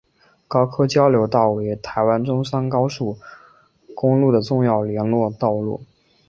高科交流道为台湾中山高速公路的重要联络道路。